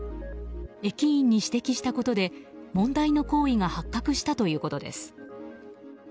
駅員に指摘したことで問題の行為が発覚したということです。